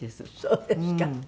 そうですか。